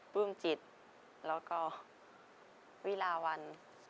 ปลื้มจิตแล้วก็วิลาวัน